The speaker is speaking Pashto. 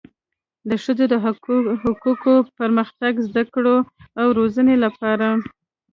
د ښځو د حقوقو، پرمختګ، زده کړو او روزنې لپاره